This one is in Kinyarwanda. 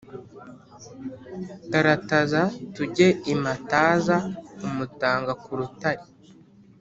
Tarataza tujye i Mataza-Umutanga ku rutare.